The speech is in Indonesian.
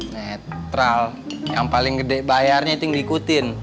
netral yang paling gede bayarnya itu ngikutin